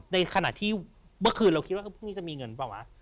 ในขณะที่เมื่อคืนเราคิดว่าพรุ่งนี้จะมีเงินเปล่าวะ